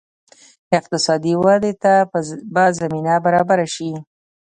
اقتصادي ودې ته به زمینه برابره شي.